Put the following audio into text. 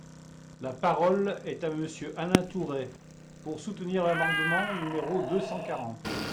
La parole est à Monsieur Alain Tourret, pour soutenir l’amendement numéro deux cent quarante.